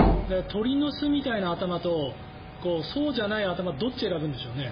鳥の巣みたいな頭とそうじゃない頭とどっちを選ぶんでしょうね。